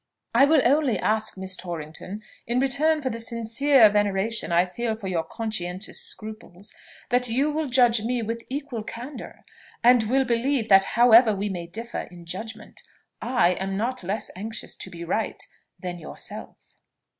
I will only ask, Miss Torrington, in return for the sincere veneration I feel for your conscientious scruples, that you will judge me with equal candour, and will believe that however we may differ in judgment, I am not less anxious to be right than yourself."